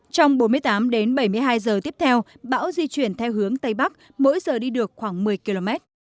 trong bốn mươi tám đến bảy mươi hai giờ tiếp theo bão di chuyển theo hướng tây bắc mỗi giờ đi được khoảng một mươi km